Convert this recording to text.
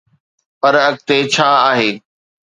پر اڳتي ڇا آهي؟